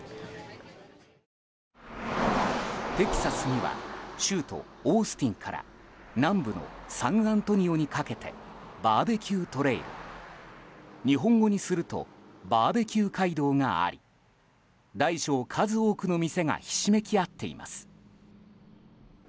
テキサスには州都オースティンから南部のサンアントニオにかけてバーベキュー・トレイル日本語にするとバーベキュー街道があり大小、数多くの店がひしめき合っています。